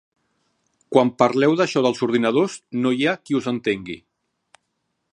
Quan parleu d'això dels ordinadors no hi ha qui us entengui.